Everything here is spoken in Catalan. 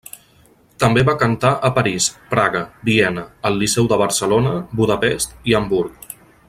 També va cantar a París, Praga, Viena, al Liceu de Barcelona, Budapest i Hamburg.